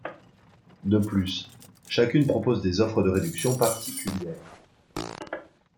De plus chacune propose des offres de réductions particulières.